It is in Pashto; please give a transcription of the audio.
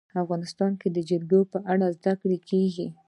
افغانستان کې د جلګه په اړه زده کړه کېږي.